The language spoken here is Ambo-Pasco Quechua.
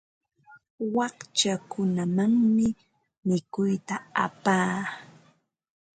Wakchakunamanmi mikuyta apaa.